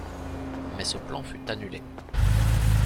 Mais ce plan fut annulé.